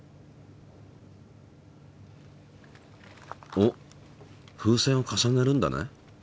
おっ風船を重ねるんだね？